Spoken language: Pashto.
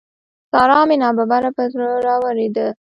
سارا مې ناببره پر زړه را واورېده.